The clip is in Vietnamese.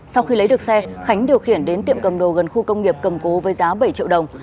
sau khi lấy được xe khánh điều khiển đến tiệm cầm đồ gần khu công nghiệp cầm cố với giá bảy triệu đồng